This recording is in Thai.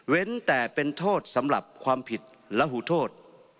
แต่เป็นโทษสำหรับความผิดและหูโทษ